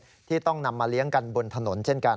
ที่ต้องนำมาเลี้ยงกันบนถนนเช่นกัน